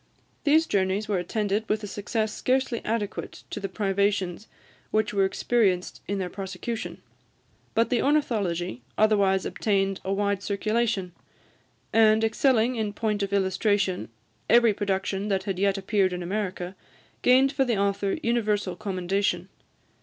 These journeys were attended with a success scarcely adequate to the privations which were experienced in their prosecution; but the "Ornithology" otherwise obtained a wide circulation, and, excelling in point of illustration every production that had yet appeared in America, gained for the author universal commendation.